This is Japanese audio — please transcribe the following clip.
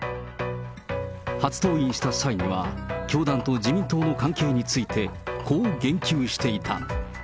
初登院した際には、教団と自民党の関係について、こう言及していた。